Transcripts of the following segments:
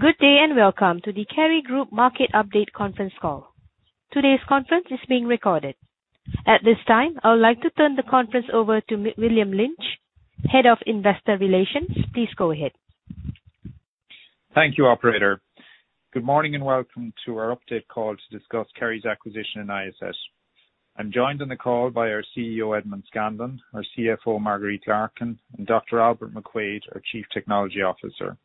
Good day, and welcome to the Kerry Group market update conference call. Today's conference is being recorded. At this time, I would like to turn the conference over to William Lynch, Head of Investor Relations. Please go ahead. Thank you, operator. Good morning, welcome to our update call to discuss Kerry's acquisition of Niacet. I'm joined on the call by our CEO, Edmond Scanlon, our CFO, Marguerite Larkin, and Dr. Albert McQuaid, our Chief Technology Officer.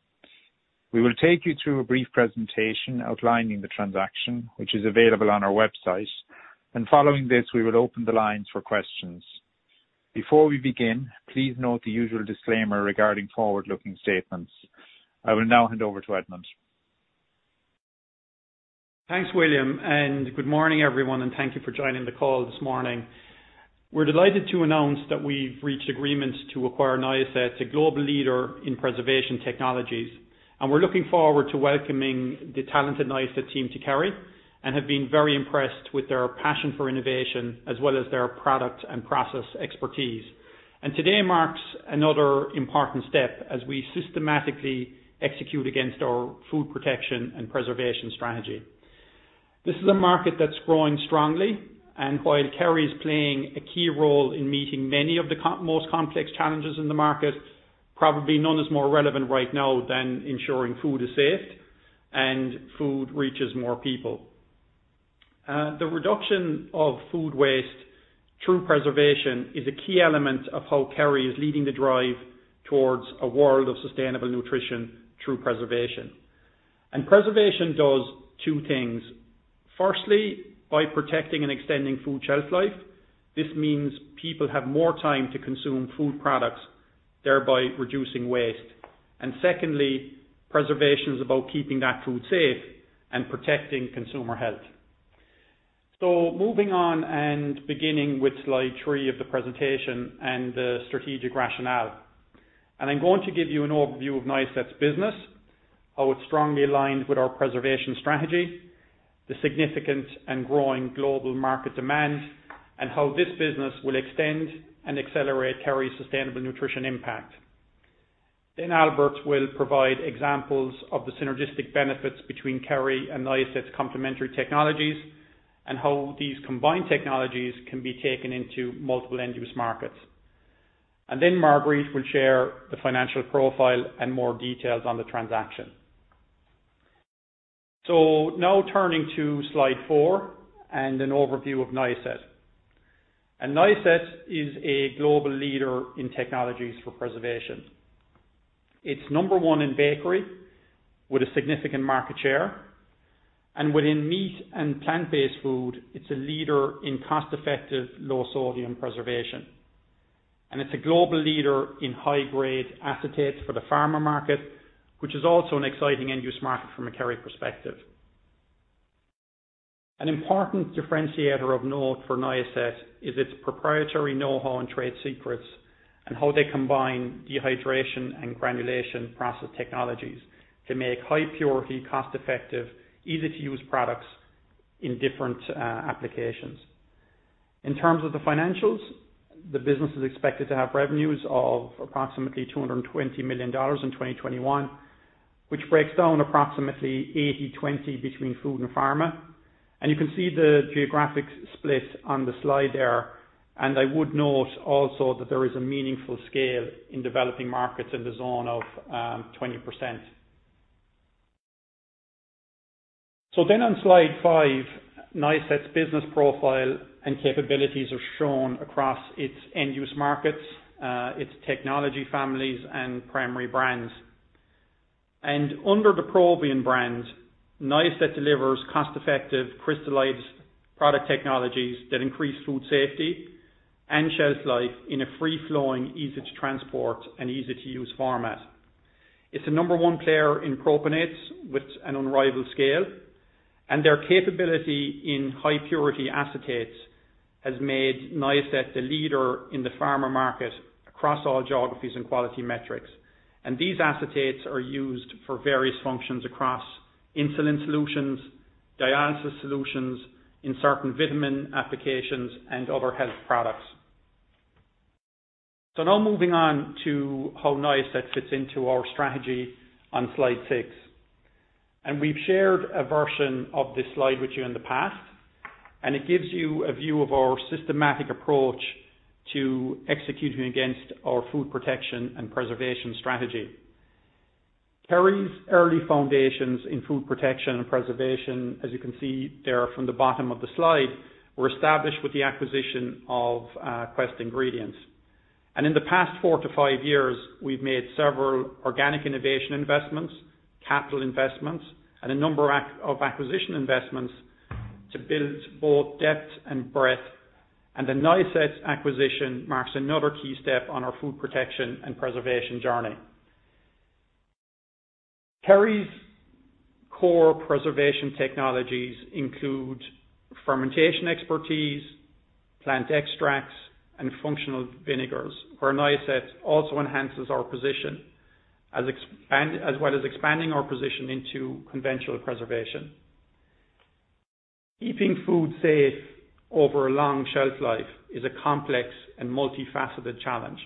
We will take you through a brief presentation outlining the transaction, which is available on our website. Following this, we will open the lines for questions. Before we begin, please note the usual disclaimer regarding forward-looking statements. I will now hand over to Edmond. Thanks, William. Good morning, everyone. Thank you for joining the call this morning. We're delighted to announce that we've reached agreement to acquire Niacet, a global leader in preservation technologies. We're looking forward to welcoming the talented Niacet team to Kerry and have been very impressed with their passion for innovation as well as their product and process expertise. Today marks another important step as we systematically execute against our food protection and preservation strategy. This is a market that's growing strongly, and while Kerry is playing a key role in meeting many of the most complex challenges in the market, probably none is more relevant right now than ensuring food is safe and food reaches more people. The reduction of food waste through preservation is a key element of how Kerry is leading the drive towards a world of sustainable nutrition through preservation. Preservation does two things. Firstly, by protecting and extending food shelf life, this means people have more time to consume food products, thereby reducing waste. Secondly, preservation is about keeping that food safe and protecting consumer health. Moving on and beginning with slide three of the presentation and the strategic rationale. I'm going to give you an overview of Niacet's business, how it strongly aligns with our preservation strategy, the significant and growing global market demand, and how this business will extend and accelerate Kerry's sustainable nutrition impact. Albert will provide examples of the synergistic benefits between Kerry and Niacet's complementary technologies and how these combined technologies can be taken into multiple end-use markets. Marguerite will share the financial profile and more details on the transaction. Now turning to slide four and an overview of Niacet. Niacet is a global leader in technologies for preservation. It's number one in bakery with a significant market share. Within meat and plant-based food, it's a leader in cost-effective, low-sodium preservation. It's a global leader in high-grade acetate for the pharma market, which is also an exciting end-use market from a Kerry perspective. An important differentiator of note for Niacet is its proprietary know-how and trade secrets and how they combine dehydration and granulation process technologies to make high-purity, cost-effective, easy-to-use products in different applications. In terms of the financials, the business is expected to have revenues of approximately $220 million in 2021, which breaks down approximately 80/20 between food and pharma. You can see the geographic split on the slide there. I would note also that there is a meaningful scale in developing markets in the zone of 20%. On slide five, Niacet's business profile and capabilities are shown across its end-use markets, its technology families, and primary brands. Under the Provian brand, Niacet delivers cost-effective crystallized product technologies that increase food safety and shelf life in a free-flowing, easy-to-transport, and easy-to-use format. It's a number one player in propionates with an unrivaled scale, their capability in high-purity acetate has made Niacet the leader in the pharma market across all geographies and quality metrics. These acetates are used for various functions across insulin solutions, dialysis solutions, in certain vitamin applications, and other health products. Moving on to how Niacet fits into our strategy on slide six. We've shared a version of this slide with you in the past, and it gives you a view of our systematic approach to executing against our food protection and preservation strategy. Kerry's early foundations in food protection and preservation, as you can see there from the bottom of the slide, were established with the acquisition of Quest Food Ingredients. In the past four to five years, we've made several organic innovation investments, capital investments, and a number of acquisition investments to build both depth and breadth. The Niacet acquisition marks another key step on our food protection and preservation journey. Kerry's core preservation technologies include fermentation expertise, plant extracts, and functional vinegars. Where Niacet also enhances our position as well as expanding our position into conventional preservation. Keeping food safe over a long shelf life is a complex and multifaceted challenge,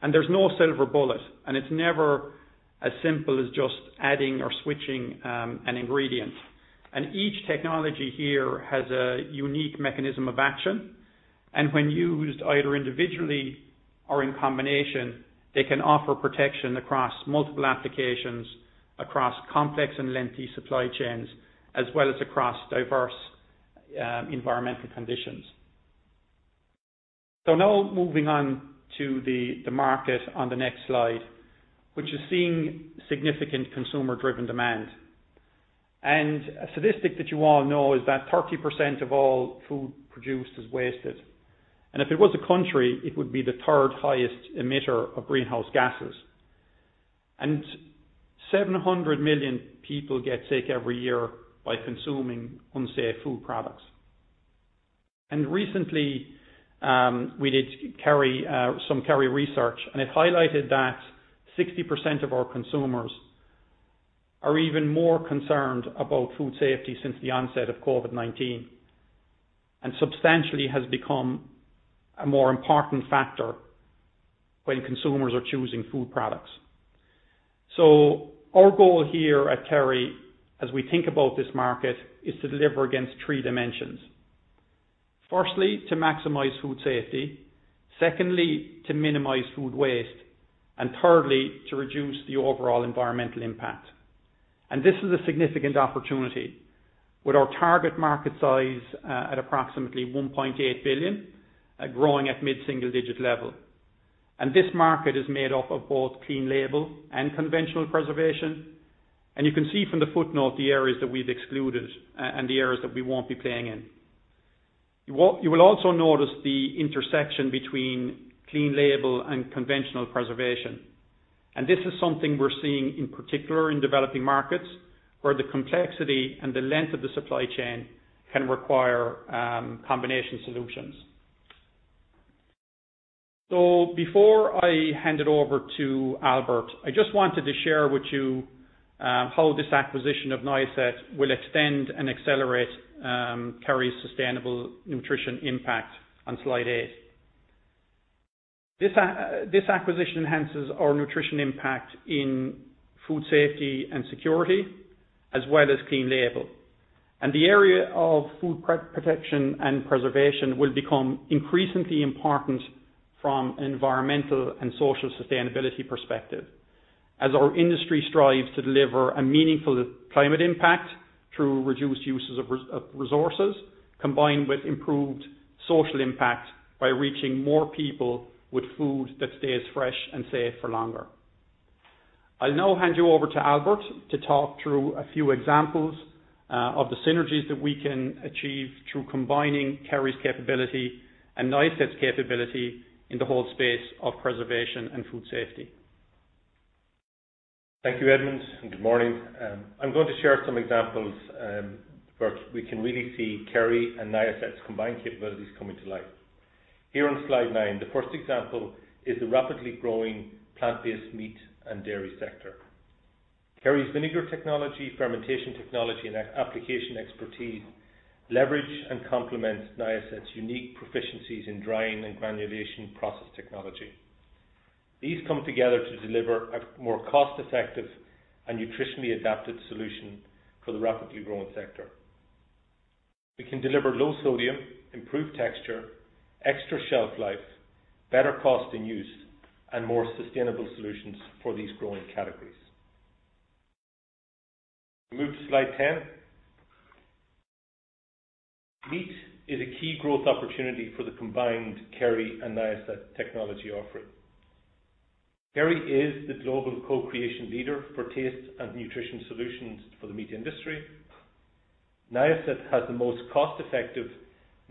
and there's no silver bullet, and it's never as simple as just adding or switching an ingredient. Each technology here has a unique mechanism of action. When used either individually or in combination, they can offer protection across multiple applications, across complex and lengthy supply chains, as well as across diverse environmental conditions. Now moving on to the market on the next slide, which is seeing significant consumer-driven demand. A statistic that you all know is that 30% of all food produced is wasted. If it was a country, it would be the third-highest emitter of greenhouse gases. 700 million people get sick every year by consuming unsafe food products. Recently, we did some Kerry research, and it highlighted that 60% of our consumers are even more concerned about food safety since the onset of COVID-19. Substantially has become a more important factor when consumers are choosing food products. Our goal here at Kerry, as we think about this market, is to deliver against three dimensions. Firstly, to maximize food safety. Secondly, to minimize food waste. Thirdly, to reduce the overall environmental impact. This is a significant opportunity with our target market size at approximately 1.8 billion and growing at mid-single-digit level. This market is made up of both clean label and conventional preservation. You can see from the footnote the areas that we've excluded and the areas that we won't be playing in. You will also notice the intersection between clean label and conventional preservation. This is something we're seeing in particular in developing markets, where the complexity and the length of the supply chain can require combination solutions. Before I hand it over to Albert, I just wanted to share with you how this acquisition of Niacet will extend and accelerate Kerry's sustainable nutrition impact on slide eight. This acquisition enhances our nutrition impact in food safety and security, as well as clean label. The area of food protection and preservation will become increasingly important from environmental and social sustainability perspective, as our industry strives to deliver a meaningful climate impact through reduced uses of resources, combined with improved social impact by reaching more people with food that stays fresh and safe for longer. I'll now hand you over to Albert McQuaid to talk through a few examples of the synergies that we can achieve through combining Kerry's capability and Niacet's capability in the whole space of preservation and food safety. Thank you, Edmond, and good morning. I'm going to share some examples where we can really see Kerry and Niacet's combined capabilities coming to life. Here on slide nine, the first example is the rapidly growing plant-based meat and dairy sector. Kerry's vinegar technology, fermentation technology, and application expertise leverage and complement Niacet's unique proficiencies in drying and granulation process technology. These come together to deliver a more cost-effective and nutritionally adapted solution for the rapidly growing sector. We can deliver low-sodium, improved texture, extra shelf life, better cost in use, and more sustainable solutions for these growing categories. We'll move to slide 10. Meat is a key growth opportunity for the combined Kerry and Niacet technology offering. Kerry is the global co-creation leader for Taste & Nutrition solutions for the meat industry. Niacet has the most cost-effective,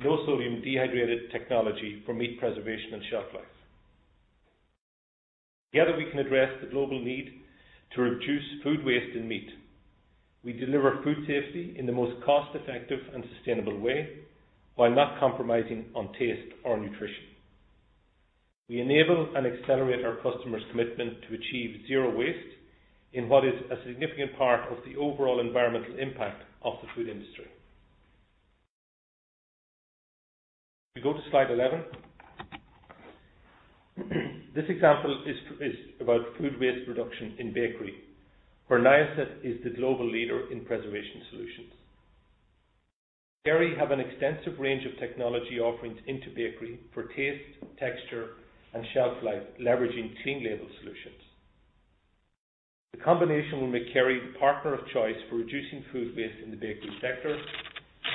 low-sodium dehydrated technology for meat preservation and shelf life. Together, we can address the global need to reduce food waste in meat. We deliver food safety in the most cost-effective and sustainable way while not compromising on taste or nutrition. We enable and accelerate our customers' commitment to achieve zero waste, in what is a significant part of the overall environmental impact of the food industry. We go to slide 11. This example is about food waste reduction in bakery, where Niacet is the global leader in preservation solutions. Kerry have an extensive range of technology offerings into bakery for taste, texture, and shelf life, leveraging clean label solutions. The combination will make Kerry the partner of choice for reducing food waste in the bakery sector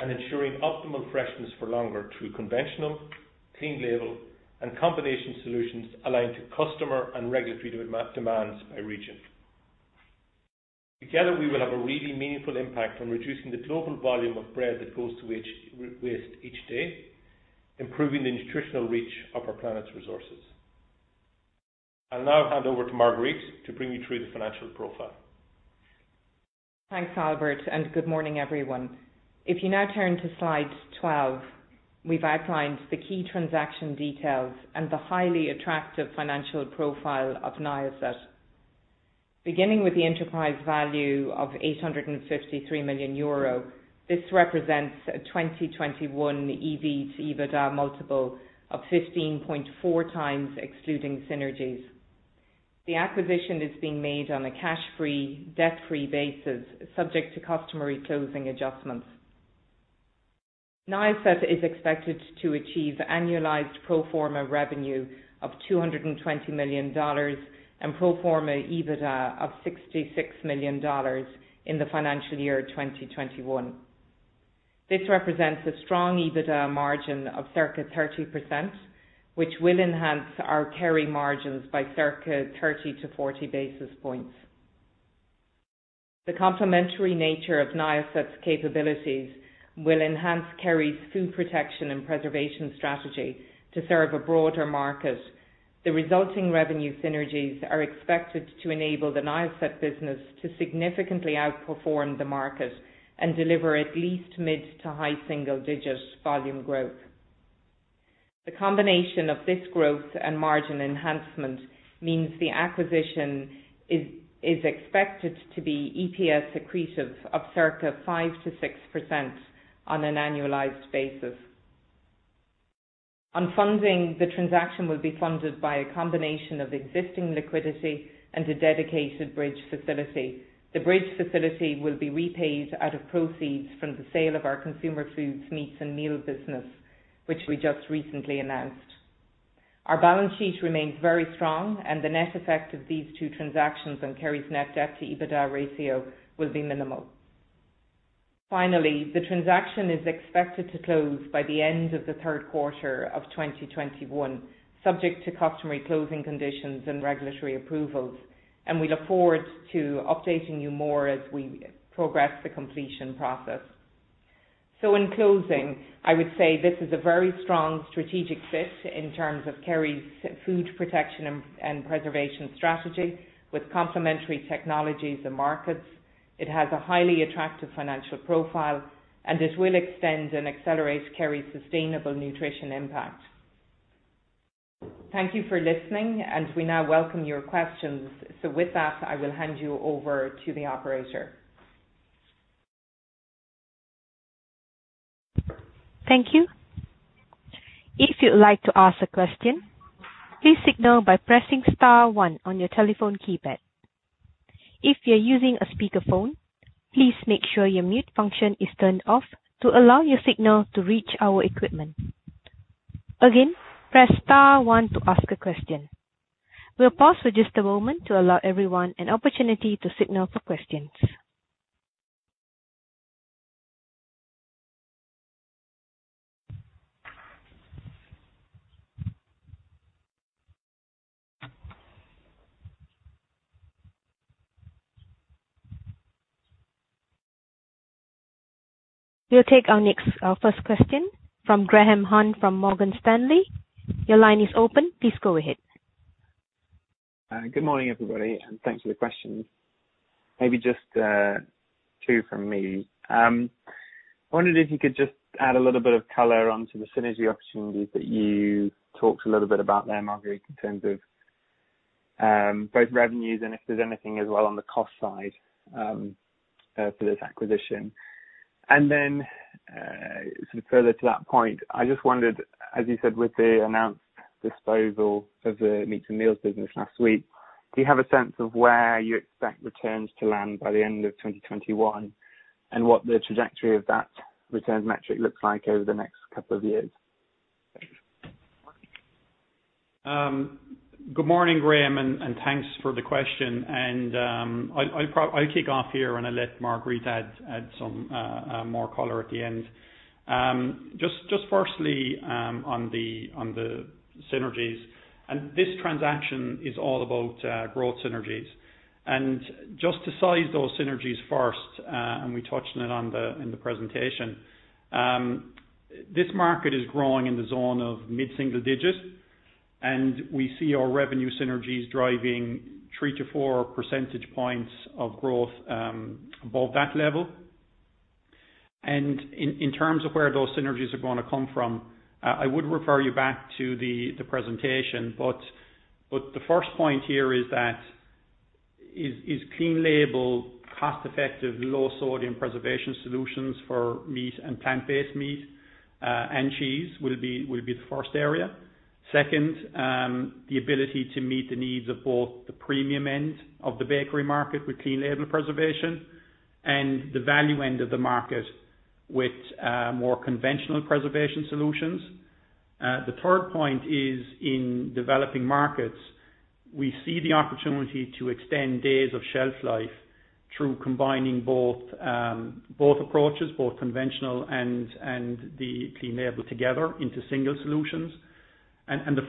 and ensuring optimal freshness for longer through conventional, clean label, and combination solutions aligned to customer and regulatory demands by region. Together, we will have a really meaningful impact on reducing the global volume of bread that goes to waste each day, improving the nutritional reach of our planet's resources. I'll now hand over to Marguerite to bring you through the financial profile. Thanks, Albert, and good morning, everyone. If you now turn to slide 12, we've outlined the key transaction details and the highly attractive financial profile of Niacet. Beginning with the enterprise value of 853 million euro, this represents a 2021 EV to EBITDA multiple of 15.4x excluding synergies. The acquisition is being made on a cash-free, debt-free basis subject to customary closing adjustments. Niacet is expected to achieve annualized pro forma revenue of $220 million and pro forma EBITDA of $66 million in the financial year 2021. This represents a strong EBITDA margin of circa 30%, which will enhance our Kerry margins by circa 30 basis points-40 basis points. The complementary nature of Niacet's capabilities will enhance Kerry's food protection and preservation strategy to serve a broader market. The resulting revenue synergies are expected to enable the Niacet business to significantly outperform the market and deliver at least mid to high single-digit volume growth. The combination of this growth and margin enhancement means the acquisition is expected to be EPS accretive of circa 5%-6% on an annualized basis. On funding, the transaction will be funded by a combination of existing liquidity and a dedicated bridge facility. The bridge facility will be repaid out of proceeds from the sale of our Consumer Foods' Meats and Meals business, which we just recently announced. Our balance sheet remains very strong, and the net effect of these two transactions on Kerry's net debt to EBITDA ratio will be minimal. Finally, the transaction is expected to close by the end of the third quarter of 2021, subject to customary closing conditions and regulatory approvals, and we look forward to updating you more as we progress the completion process. In closing, I would say this is a very strong strategic fit in terms of Kerry's food protection and preservation strategy with complementary technologies and markets. It has a highly attractive financial profile, and it will extend and accelerate Kerry's sustainable nutrition impact. Thank you for listening, and we now welcome your questions. With that, I will hand you over to the operator. Thank you. If you would like to ask a question, please signal by pressing star one on your telephone keypad. If you are using a speakerphone, please make sure your mute function is turned off to allow your signal to reach our equipment. Again, press star one to ask a question. We'll pause for just a moment to allow everyone an opportunity to signal for questions. We'll take our first question from Graham Hunt from Morgan Stanley. Your line is open. Please go ahead. Good morning, everybody. Thanks for the questions. Maybe just two from me. I wondered if you could just add a little bit of color onto the synergy opportunities that you talked a little bit about there, Marguerite, in terms of both revenues and if there's anything as well on the cost side for this acquisition. Further to that point, I just wondered, as you said, with the announced disposal of the meals business last week, do you have a sense of where you expect returns to land by the end of 2021 and what the trajectory of that return metric looks like over the next couple of years? Good morning, Graham, thanks for the question. I'll kick off here and I'll let Marguerite add some more color at the end. Just firstly on the synergies, and this transaction is all about growth synergies. Just to size those synergies first, and we touched on it in the presentation. This market is growing in the zone of mid-single digit, and we see our revenue synergies driving 3-4 percentage points of growth above that level. In terms of where those synergies are going to come from, I would refer you back to the presentation, but the first point here is clean label, cost-effective, low-sodium preservation solutions for meat and plant-based meat and cheese will be the first area. Second, the ability to meet the needs of both the premium end of the bakery market with clean label preservation and the value end of the market with more conventional preservation solutions. Third point is in developing markets, we see the opportunity to extend days of shelf life through combining both approaches, both conventional and the clean label together into single solutions.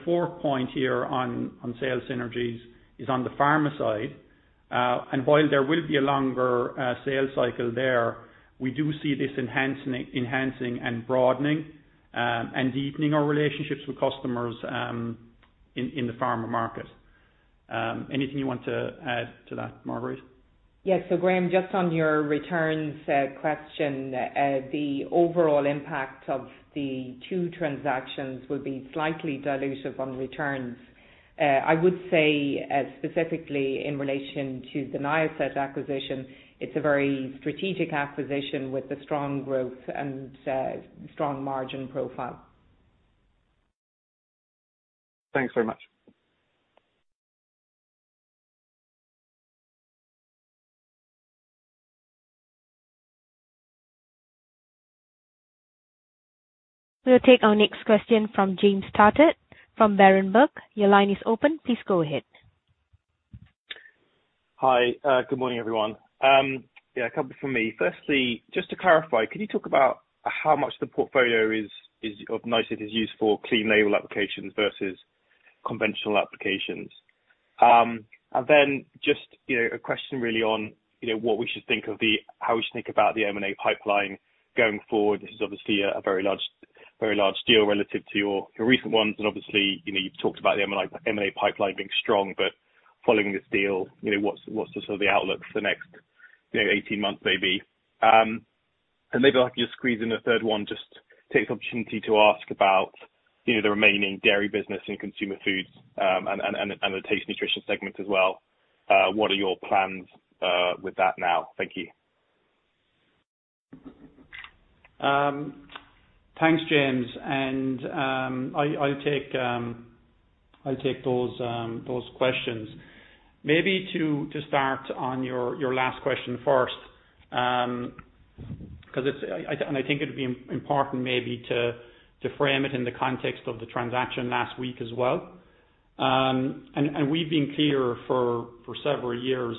Fourth point here on sales synergies is on the pharma side. While there will be a longer sales cycle there, we do see this enhancing and broadening, and deepening our relationships with customers in the pharma market. Anything you want to add to that, Marguerite? Yeah. Graham, just on your returns question, the overall impact of the two transactions will be slightly dilutive on returns. I would say, specifically in relation to the Niacet acquisition, it's a very strategic acquisition with a strong growth and strong margin profile. Thanks very much. We'll take our next question from James Targett from Berenberg. Your line is open. Please go ahead. Hi, good morning, everyone. Yeah, a couple from me. Just to clarify, can you talk about how much the portfolio of Niacet is used for clean label applications versus conventional applications? Just a question really on how we should think about the M&A pipeline going forward. This is obviously a very large deal relative to your recent ones, obviously, you talked about the M&A pipeline being strong, following this deal, what's the sort of outlook for the next 18 months maybe? If I can just squeeze in a third one, just take the opportunity to ask about the remaining dairy business in consumer foods and the Taste & Nutrition segment as well. What are your plans with that now? Thank you. Thanks, James. I'll take those questions. Maybe to start on your last question first, and I think it'd be important maybe to frame it in the context of the transaction last week as well. We've been clear for several years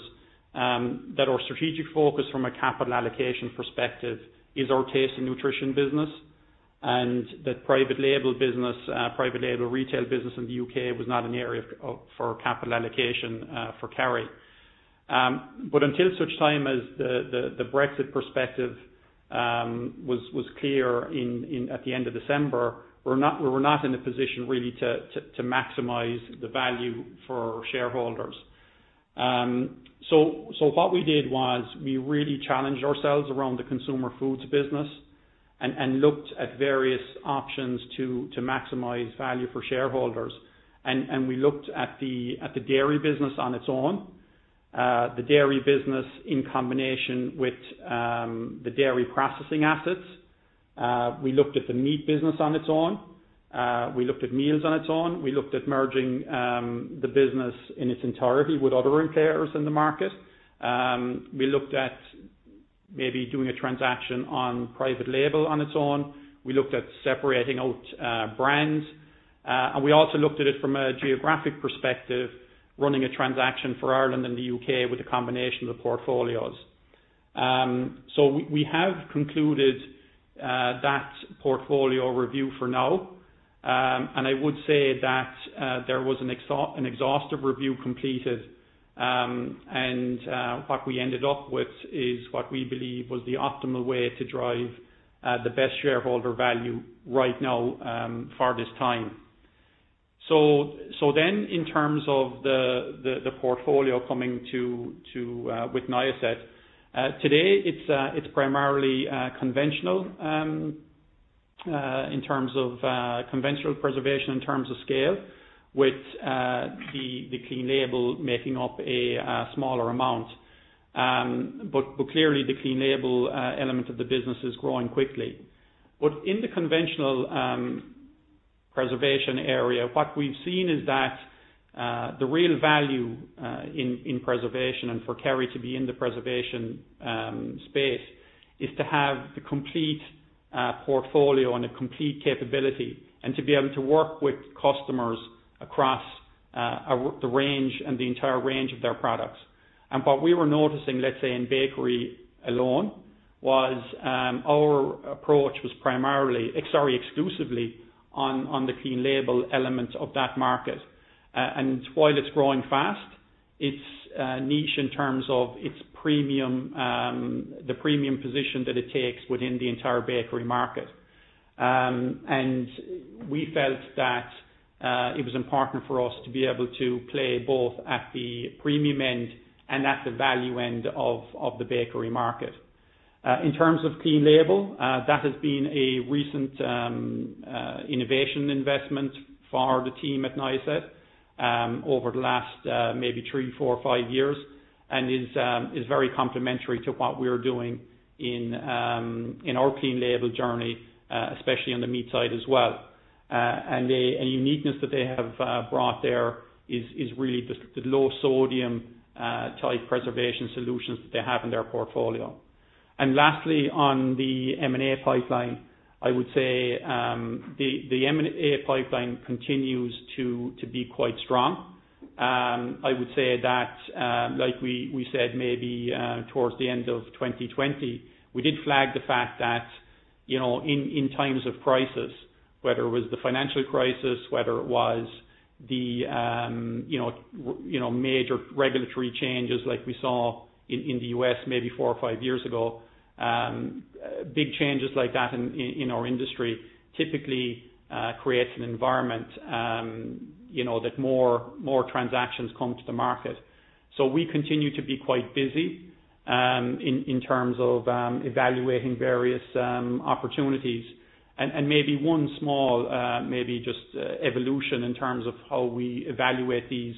that our strategic focus from a capital allocation perspective is our Taste & Nutrition business, and the private label retail business in the U.K. was not an area for capital allocation for Kerry. Until such time as the Brexit perspective was clear at the end of December, we were not in a position really to maximize the value for our shareholders. What we did was we really challenged ourselves around the consumer foods business and looked at various options to maximize value for shareholders. We looked at the dairy business on its own, the dairy business in combination with the dairy processing assets. We looked at the meat business on its own. We looked at meals on its own. We looked at merging the business in its entirety with other retailers in the market. We looked at maybe doing a transaction on private label on its own. We looked at separating out brands. We also looked at it from a geographic perspective, running a transaction for Ireland and the U.K. with a combination of portfolios. We have concluded that portfolio review for now. I would say that there was an exhaustive review completed, and what we ended up with is what we believe was the optimal way to drive the best shareholder value right now for this time. In terms of the portfolio coming to with Niacet. It's primarily conventional in terms of conventional preservation in terms of scale, with the clean label making up a smaller amount. Clearly the clean label element of the business is growing quickly. In the conventional preservation area, what we've seen is that the real value in preservation and for Kerry to be in the preservation space is to have the complete portfolio and a complete capability and to be able to work with customers across the range and the entire range of their products. What we were noticing, let's say in bakery alone, was our approach was primarily, sorry, exclusively on the clean label elements of that market. While it's growing fast, it's niche in terms of its premium, the premium position that it takes within the entire bakery market. We felt that it was important for us to be able to play both at the premium end and at the value end of the bakery market. In terms of clean label, that has been a recent innovation investment for the team at Niacet, over the last maybe three, four, five years, and is very complementary to what we're doing in our clean label journey, especially on the meat side as well. A uniqueness that they have brought there is really the low-sodium type preservation solutions that they have in their portfolio. Lastly, on the M&A pipeline, I would say, the M&A pipeline continues to be quite strong. I would say that, like we said maybe towards the end of 2020, we did flag the fact that in times of crisis, whether it was the financial crisis, whether it was major regulatory changes like we saw in the U.S. maybe four or five years ago. Big changes like that in our industry typically creates an environment that more transactions come to the market. We continue to be quite busy in terms of evaluating various opportunities and maybe one small, maybe just evolution in terms of how we evaluate these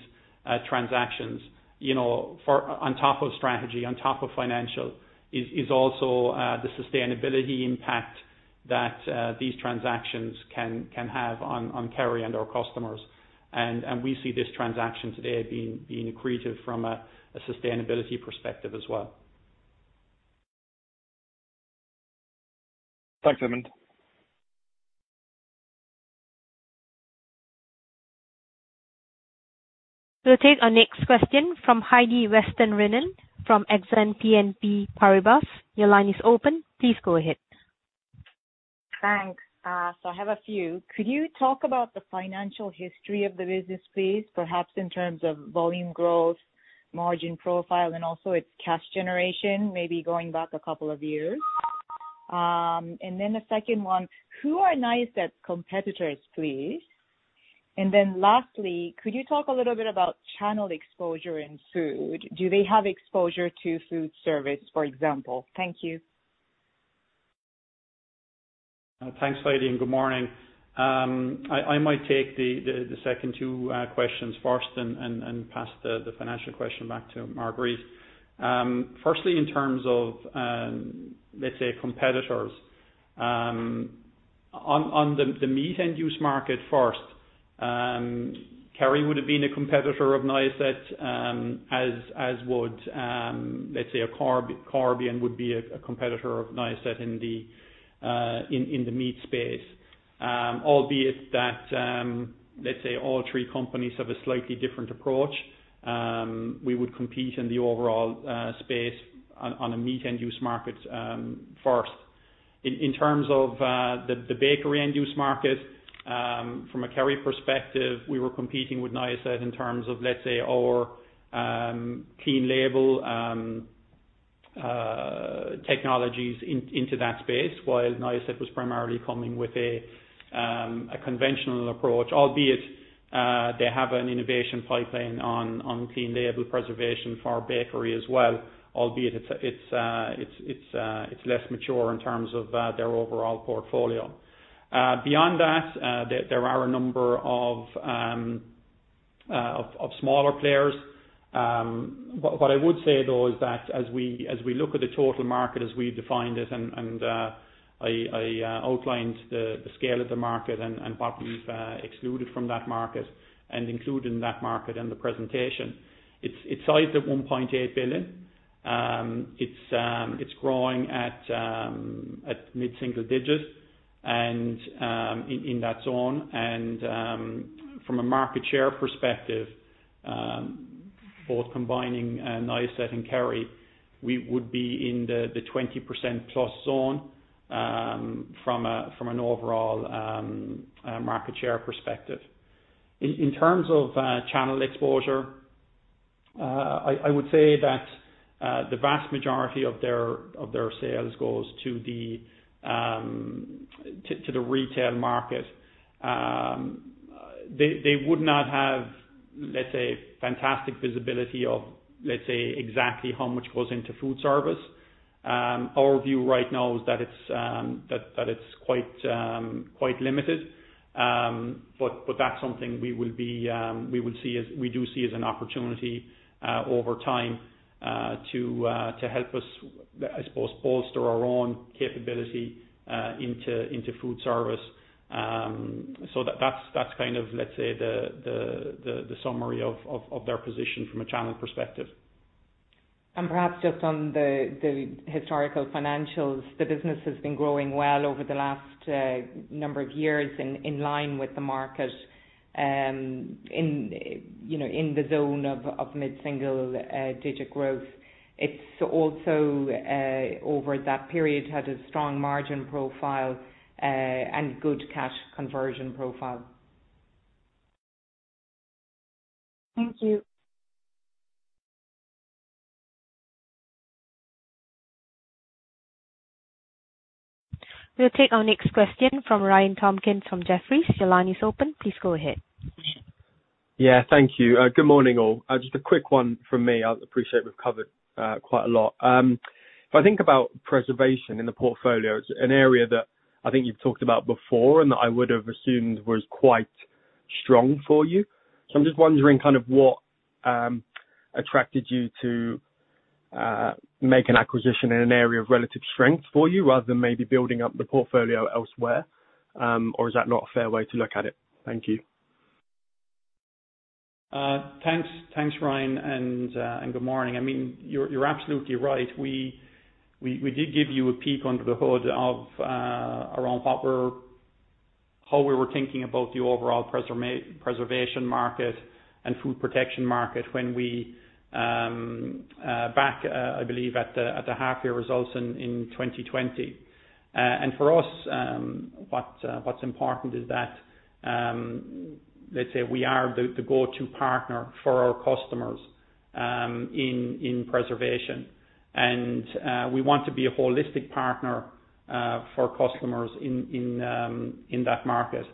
transactions for on top of strategy, on top of financial, is also the sustainability impact that these transactions can have on Kerry and our customers. We see this transaction today being accretive from a sustainability perspective as well. Thanks, Edmond. We'll take our next question from Heidi Vesterinen from Exane BNP Paribas. Your line is open. Please go ahead. Thanks. I have a few. Could you talk about the financial history of the business, please, perhaps in terms of volume growth, margin profile, and also its cash generation, maybe going back a couple of years. The second one, who are Niacet's competitors, please? Lastly, could you talk a little bit about channel exposure in food? Do they have exposure to food service, for example? Thank you. Thanks, Heidi, and good morning. I might take the second two questions first and pass the financial question back to Marguerite. Firstly, in terms of, let's say, competitors. On the meat end-use market first, Kerry would have been a competitor of Niacet, as would, let's say, a Corbion would be a competitor of Niacet in the meat space. Albeit that, let's say all three companies have a slightly different approach. We would compete in the overall space on a meat end-use market first. In terms of the bakery end-use market, from a Kerry perspective, we were competing with Niacet in terms of, let's say, our clean label technologies into that space, while Niacet was primarily coming with a conventional approach. Albeit they have an innovation pipeline on clean label preservation for bakery as well, albeit it's less mature in terms of their overall portfolio. Beyond that, there are a number of smaller players. What I would say, though, is that as we look at the total market as we defined it and I outlined the scale of the market and what we've excluded from that market and included in that market in the presentation, it's sized at 1.8 billion. It's growing at mid-single digits and in that zone. From a market share perspective, both combining Niacet and Kerry, we would be in the 20%+ zone from an overall market share perspective. In terms of channel exposure, I would say that the vast majority of their sales goes to the retail market. They would not have, let's say, fantastic visibility of, let's say, exactly how much goes into food service. Our view right now is that it's quite limited. That's something we do see as an opportunity over time to help us, I suppose, bolster our own capability into food service. That's kind of, let's say, the summary of their position from a channel perspective. Perhaps just on the historical financials, the business has been growing well over the last number of years in line with the market in the zone of mid-single-digit growth. It's also, over that period, had a strong margin profile and good cash conversion profile. Thank you. We'll take our next question from Ryan Tomkins from Jefferies. Your line is open. Please go ahead. Yeah, thank you. Good morning, all. Just a quick one from me. I appreciate we've covered quite a lot. If I think about preservation in the portfolio, it's an area that I think you've talked about before and that I would have assumed was quite strong for you. I'm just wondering kind of what attracted you to make an acquisition in an area of relative strength for you rather than maybe building up the portfolio elsewhere? Or is that not a fair way to look at it? Thank you. Thanks, Ryan, and good morning. You're absolutely right. We did give you a peek under the hood of around how we were thinking about the overall preservation market and food protection market when we, back, I believe at the half-year results in 2020. For us, what's important is that, let's say we are the go-to partner for our customers. In preservation. We want to be a holistic partner for customers in that market.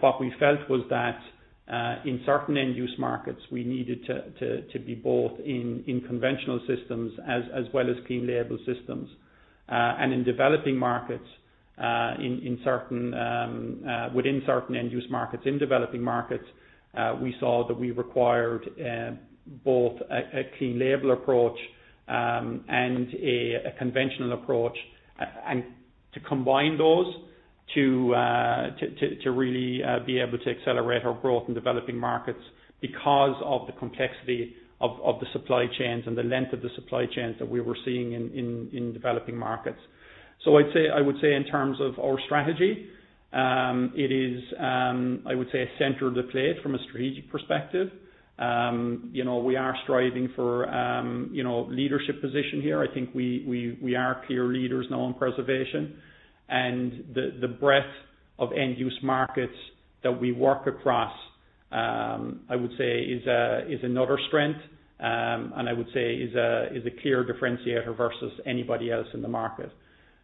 What we felt was that in certain end-use markets, we needed to be both in conventional systems as well as clean label systems. In developing markets, within certain end-use markets in developing markets, we saw that we required both a clean label approach and a conventional approach. To combine those to really be able to accelerate our growth in developing markets because of the complexity of the supply chains and the length of the supply chains that we were seeing in developing markets. I'd say, in terms of our strategy, it is, I would say, center of the plate from a strategic perspective. We are striving for a leadership position here. I think we are clear leaders now in preservation. The breadth of end-use markets that we work across, I would say is another strength, and I would say is a clear differentiator versus anybody else in the market.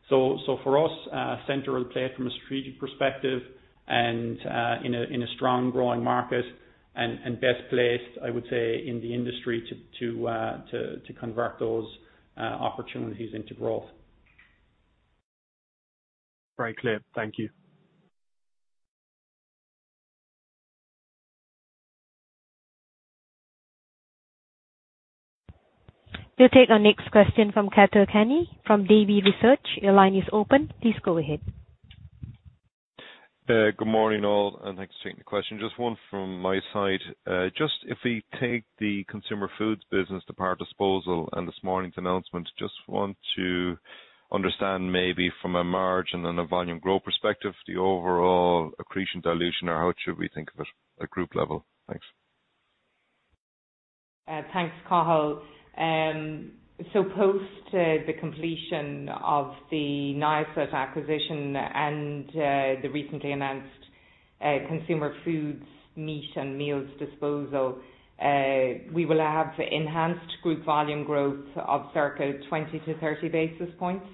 For us, center of plate from a strategic perspective and in a strong growing market and best placed, I would say, in the industry to convert those opportunities into growth. Very clear. Thank you. We'll take our next question from Cathal Kenny from Davy Research. Your line is open. Please go ahead. Good morning, all, and thanks for taking the question. Just one from my side. Just if we take the consumer foods business, the power disposal, and this morning's announcement, just want to understand maybe from a margin and a volume growth perspective, the overall accretion dilution, or how should we think of it at group level. Thanks. Thanks, Cathal. Post the completion of the Niacet acquisition and the recently announced Consumer Foods' Meats and Meals disposal, we will have enhanced group volume growth of circa 20 basis points-30 basis points.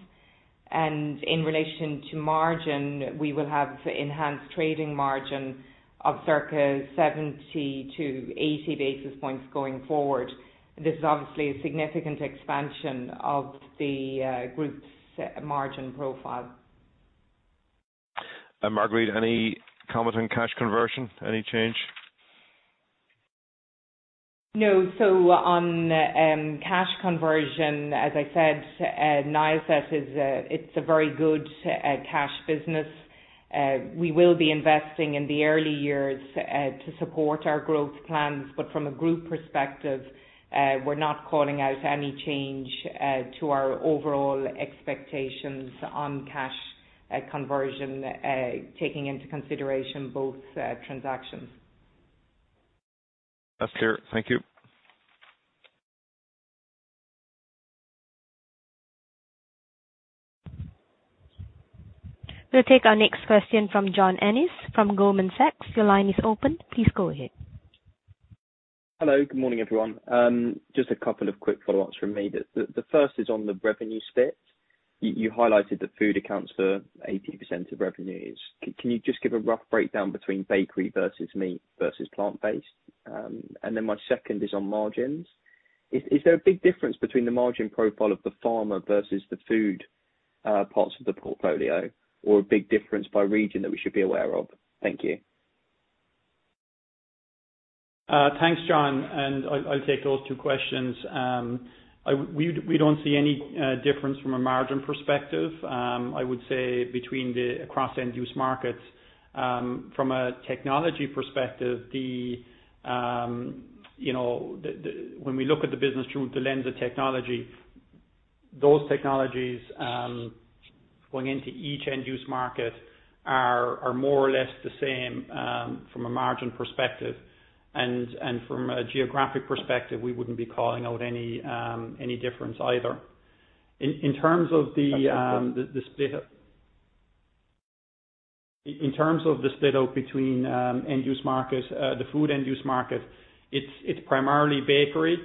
In relation to margin, we will have enhanced trading margin of circa 70 basis points-80 basis points going forward. This is obviously a significant expansion of the group's margin profile. Marguerite, any comment on cash conversion? Any change? On cash conversion, as I said, Niacet, it's a very good cash business. We will be investing in the early years to support our growth plans. From a group perspective, we're not calling out any change to our overall expectations on cash conversion, taking into consideration both transactions. That's clear. Thank you. We'll take our next question from John Ennis from Goldman Sachs. Your line is open. Please go ahead. Hello. Good morning, everyone. Just a couple of quick follow-ups from me. The first is on the revenue split. You highlighted that food accounts for 80% of revenues. Can you just give a rough breakdown between bakery versus meat versus plant-based? Then my second is on margins. Is there a big difference between the margin profile of the pharma versus the food parts of the portfolio or a big difference by region that we should be aware of? Thank you. Thanks, John. I'll take those two questions. We don't see any difference from a margin perspective, I would say, across end-use markets. From a technology perspective, when we look at the business through the lens of technology, those technologies going into each end-use market are more or less the same from a margin perspective. From a geographic perspective, we wouldn't be calling out any difference either. In terms of the split out between end-use market, the food end-use market, it's primarily bakery,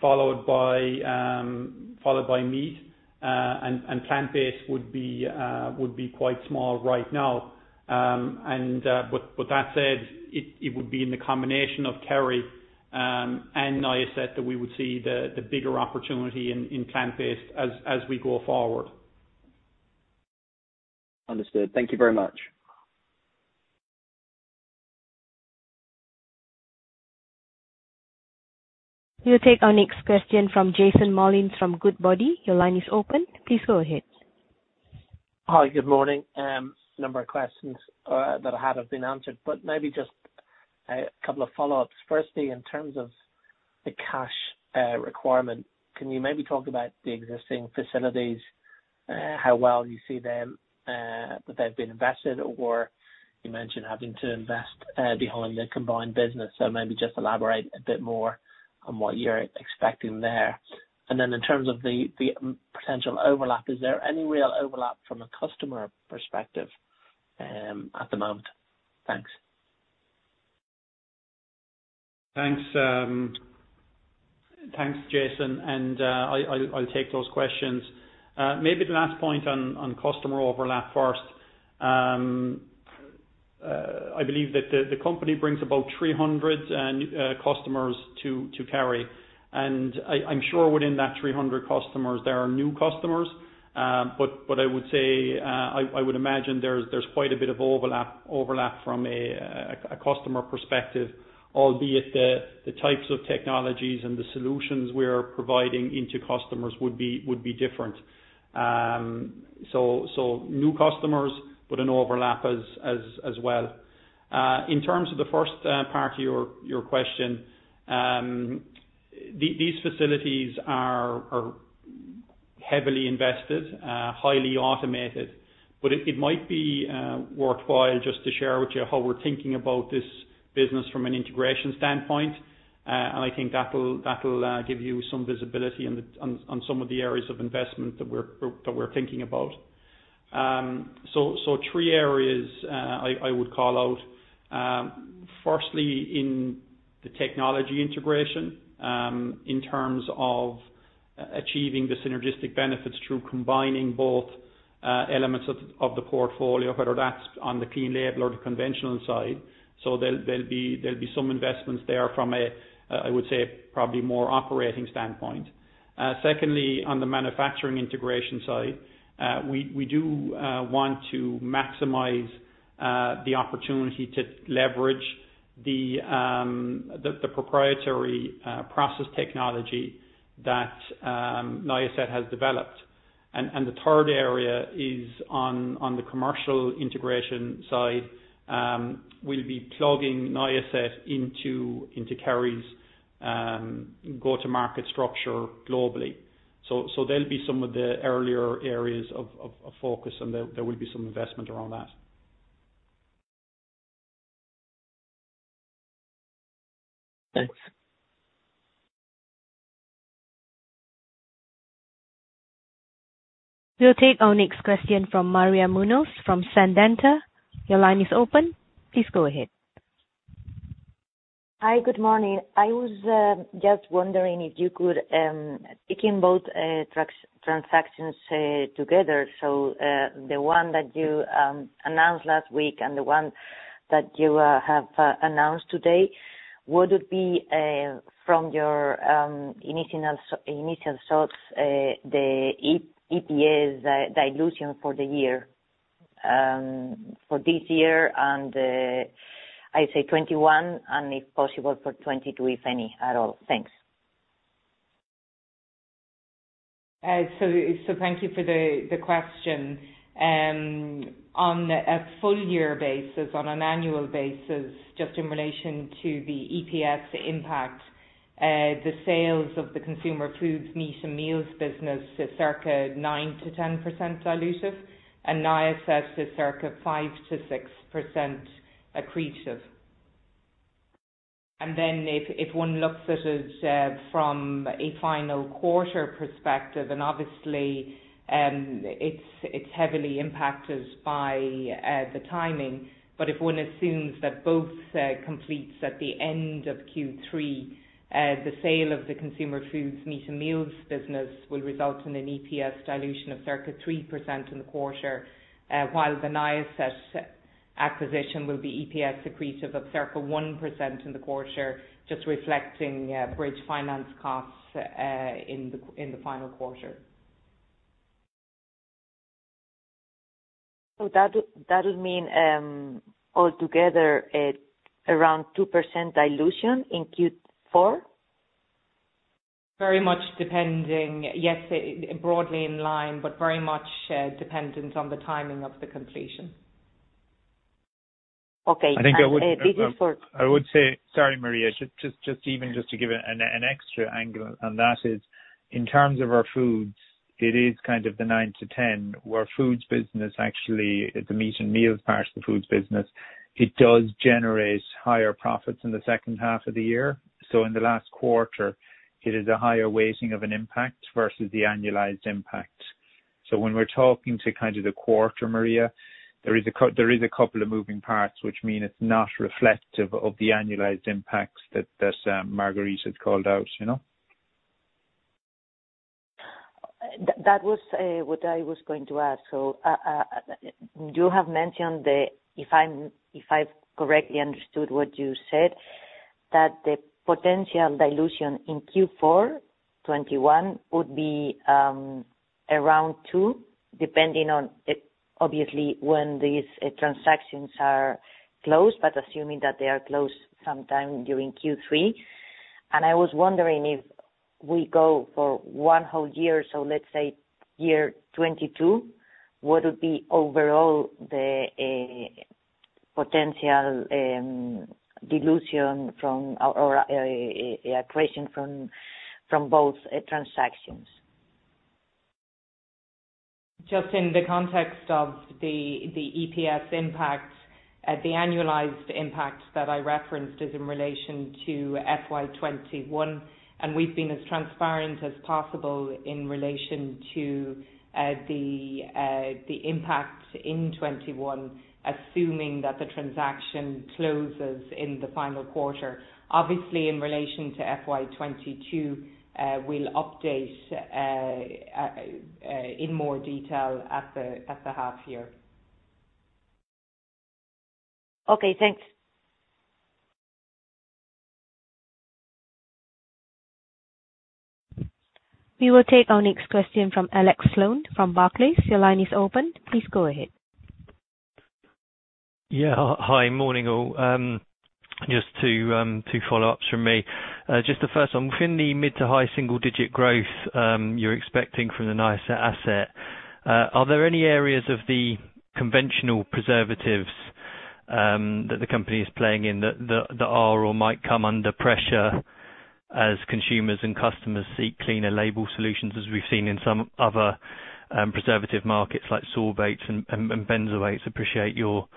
followed by meat, and plant-based would be quite small right now. That said, it would be in the combination of Kerry and Niacet that we would see the bigger opportunity in plant-based as we go forward. Understood. Thank you very much. We'll take our next question from Jason Molins from Goodbody. Your line is open. Please go ahead. Hi, good morning. A number of questions that have been answered, but maybe just a couple of follow-ups. Firstly, in terms of the cash requirement, can you maybe talk about the existing facilities, how well you see them that they've been invested or you mentioned having to invest behind the combined business, so maybe just elaborate a bit more on what you're expecting there. In terms of the potential overlap, is there any real overlap from a customer perspective? At the moment. Thanks. Thanks, Jason. I'll take those questions. The last point on customer overlap first. I believe that the company brings about 300 customers to Kerry. I'm sure within that 300 customers there are new customers. I would imagine there's quite a bit of overlap from a customer perspective, albeit the types of technologies and the solutions we're providing into customers would be different. New customers, an overlap as well. In terms of the first part of your question, these facilities are heavily invested, highly automated, but it might be worthwhile just to share with you how we're thinking about this business from an integration standpoint. I think that'll give you some visibility on some of the areas of investment that we're thinking about. Three areas I would call out. Firstly, in the technology integration, in terms of achieving the synergistic benefits through combining both elements of the portfolio, whether that's on the labeled or the conventional side. There'll be some investments there from, I would say, probably more operating standpoint. Secondly, on the manufacturing integration side, we do want to maximize the opportunity to leverage the proprietary process technology that Niacet has developed. The third area is on the commercial integration side. We'll be plugging Niacet into Kerry's go-to-market structure globally. They'll be some of the earlier areas of focus, and there will be some investment around that. Thanks. We'll take our next question from Maria Munoz from Santander. Your line is open. Please go ahead. Hi. Good morning. I was just wondering if you could, taking both transactions together, so the one that you announced last week and the one that you have announced today, would it be from your initial thoughts, the EPS dilution for the year, for this year on the, I'd say FY 2021, and if possible, for FY 2022, if any at all. Thanks. Thank you for the question. On a full year basis, on an annual basis, just in relation to the EPS impact, the sales of the consumer foods meat and meals business to circa 9%-10% dilutive and Niacet to circa 5%-6% accretive. If one looks at it from a final quarter perspective, and obviously it's heavily impacted by the timing, but if one assumes that both completes at the end of Q3, the sale of the consumer foods meat and meals business will result in an EPS dilution of circa 3% in the quarter, while the Niacet acquisition will be EPS accretive of circa 1% in the quarter, just reflecting bridge finance costs in the final quarter. That'll mean altogether it's around 2% dilution in Q4? Very much depending. Yes, broadly in line, but very much dependent on the timing of the completion. Okay. I think I would say- Did you for- I would say Sorry, Maria, just even just to give it an extra angle, and that is in terms of our foods, it is kind of the 9%-10%. Our foods business, actually, the meat and meals part of the foods business, it does generate higher profits in the second half of the year. In the last quarter, it is a higher weighting of an impact versus the annualized impact. When we're talking to kind of the quarter, Maria, there is two moving parts which mean it's not reflective of the annualized impacts that Marguerite called out. That was what I was going to ask. You have mentioned, if I've correctly understood what you said, that the potential dilution in Q4 2021 would be around 2%, depending on obviously when these transactions are closed, but assuming that they are closed sometime during Q3. I was wondering if we go for one whole year, so let's say year 2022, what would be overall the potential dilution from, or accretion from both transactions? Just in the context of the EPS impact. The annualized impact that I referenced is in relation to FY 2021. We've been as transparent as possible in relation to the impact in 2021, assuming that the transaction closes in the final quarter. Obviously, in relation to FY 2022, we'll update in more detail at the half year. Okay, thanks. We will take our next question from Alex Sloane from Barclays. Your line is open. Please go ahead. Yeah. Hi. Morning, all. Just two follow-ups from me. Just the first one, within the mid- to high-single-digit growth you're expecting from the Niacet asset, are there any areas of the conventional preservatives that the company is playing in that are or might come under pressure as consumers and customers seek cleaner label solutions, as we've seen in some other preservative markets like sorbates and benzoates? Appreciate your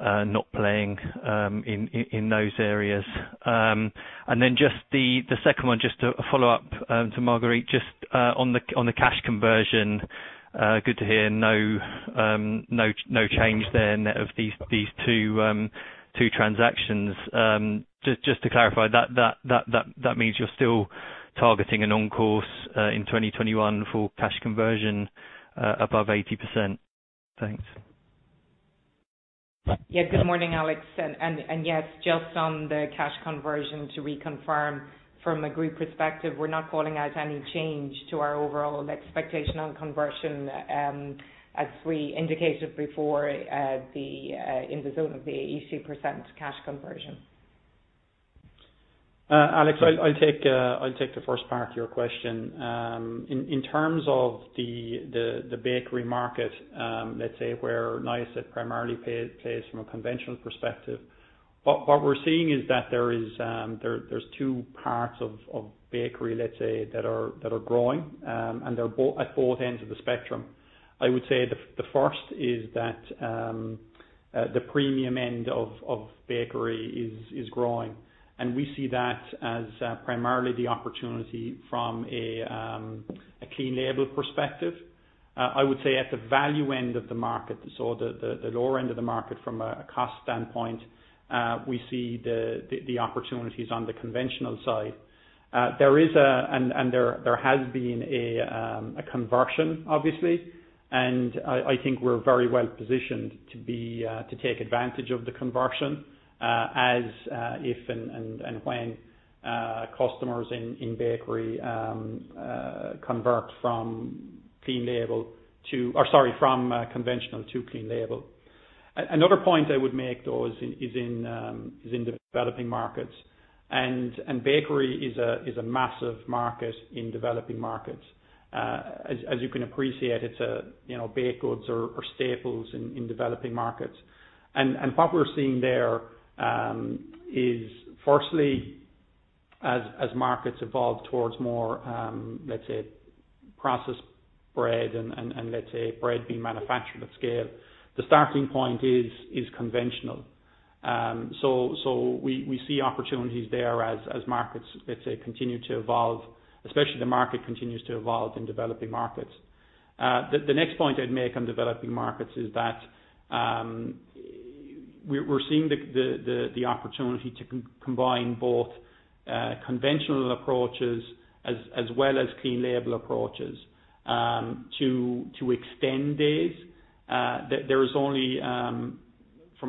not playing in those areas. Just the second one, just to follow up to Marguerite, just on the cash conversion. Good to hear no change there net of these two transactions. Just to clarify, that means you're still targeting and on course in 2021 for cash conversion above 80%? Thanks. Yeah. Good morning, Alex. Yes, just on the cash conversion, to reconfirm from a group perspective, we're not calling out any change to our overall expectation on conversion. As we indicated before, it is going to be 80% cash conversion. Alex, I'll take the first part of your question. In terms of the bakery market, let's say where Niacet primarily plays from a conventional perspective, what we're seeing is that there's two parts of bakery, let's say, that are growing. They're at both ends of the spectrum. I would say the first is that the premium end of bakery is growing, and we see that as primarily the opportunity from a clean label perspective. I would say at the value end of the market, the lower end of the market from a cost standpoint, we see the opportunities on the conventional side. There has been a conversion, obviously. I think we're very well positioned to take advantage of the conversion as if and when customers in bakery convert from clean label to Oh, sorry, from conventional to clean label. Another point I would make, though, is in developing markets. Bakery is a massive market in developing markets. As you can appreciate, baked goods are staples in developing markets. What we're seeing there is firstly, as markets evolve towards more, let's say, processed bread and let's say bread being manufactured at scale, the starting point is conventional. We see opportunities there as markets, let's say, continue to evolve, especially the market continues to evolve in developing markets. The next point I'd make on developing markets is that we're seeing the opportunity to combine both conventional approaches as well as clean label approaches to extend days. From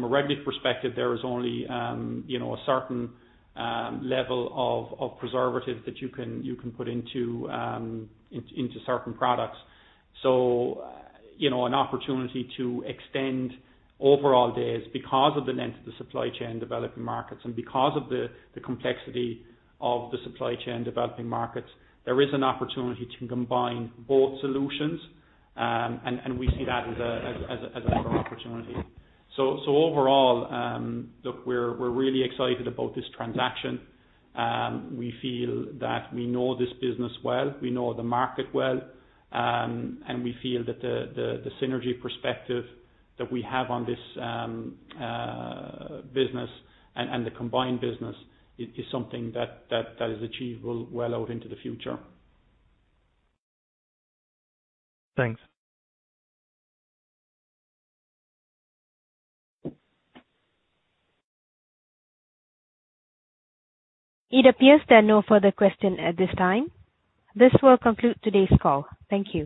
a regulatory perspective, there is only a certain level of preservative that you can put into certain products. An opportunity to extend overall days because of the length of the supply chain in developing markets and because of the complexity of the supply chain in developing markets, there is an opportunity to combine both solutions, and we see that as a bigger opportunity. Overall, look, we're really excited about this transaction. We feel that we know this business well, we know the market well, and we feel that the synergy perspective that we have on this business and the combined business is something that is achievable well out into the future. Thanks. It appears there are no further questions at this time. This will conclude today's call. Thank you.